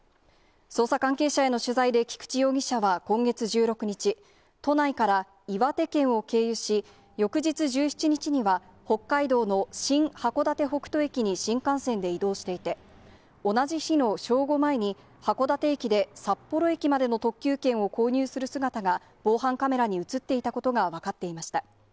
捜査関係者への取材で、菊池容疑者は今月１６日、都内から岩手県を経由し、翌日１７日には、北海道の新函館北斗駅に新幹線で移動していて、同じ日の正午前に、函館駅で、札幌駅までの特急券を購入する姿が防犯カメラに写っていたことが分かっていました。